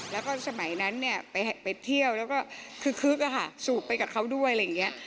แล้วก็สมัยนั้นนี่ไปเที่ยวแล้วก็คึกล่ะค่ะสูบไปกับเค้าด้วย